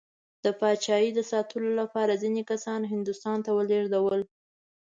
د پاچایۍ ساتلو لپاره ځینې کسان هندوستان ته ولېږدول.